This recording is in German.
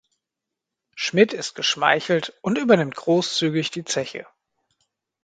Schmidt ist geschmeichelt und übernimmt großzügig die Zeche.